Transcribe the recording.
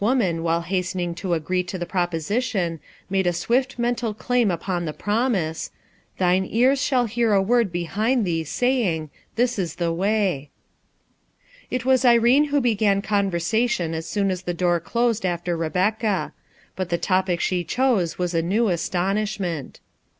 au while hastening agree to the proposition, made a swift mental claim upon the promise: "Thine cars shall hear a word behind thee saying, This is the way," It was Irene who began conversation as soon as the door closed after Rebecca, But the topic she chose was a new astonishment.